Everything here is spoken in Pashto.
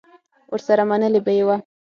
ورسره منلې به یې وه.